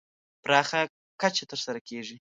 پراخه کچه تر سره کېږي.